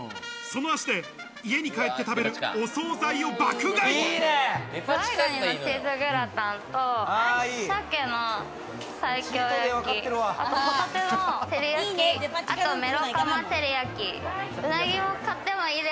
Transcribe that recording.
その足で、家に帰って食べるお惣菜を爆買い。